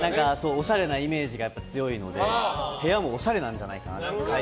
おしゃれなイメージが強いので部屋もおしゃれなんじゃないかなって。